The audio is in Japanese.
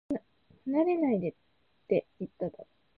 離れないでって、言っただろ